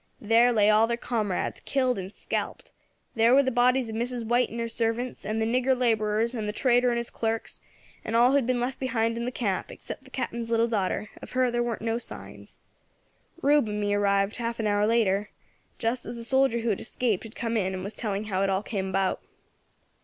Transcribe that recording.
There lay all their comrades, killed and scalped; there were the bodies of Mrs. White and her servants, and the nigger labourers, and the trader and his clerks, and of all who had been left behind in the camp, except the Captain's little daughter; of her there weren't no signs. Rube and me arrived half an hour later, just as the soldier who had escaped had come in and was telling how it all came about.